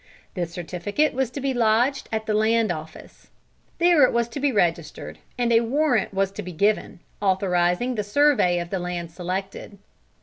This certificate was to be lodged at the Land Office. There it was to be registered, and a warrant was to be given, authorizing the survey of the land selected.